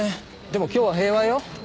でも今日は平和よ。